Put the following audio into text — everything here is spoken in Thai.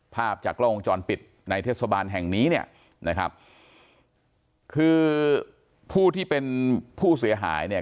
ภาพจากกล้องวงจรปิดในเทศบาลแห่งนี้เนี่ยนะครับคือผู้ที่เป็นผู้เสียหายเนี่ย